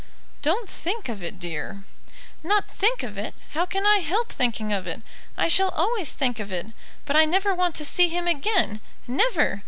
"Don't think of it, dear." "Not think of it! how can I help thinking of it? I shall always think of it. But I never want to see him again never!